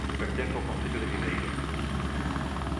Pertence ao concello de Viveiro.